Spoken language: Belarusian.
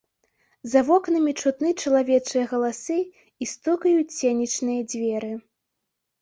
За вокнамі чутны чалавечыя галасы, і стукаюць сенечныя дзверы.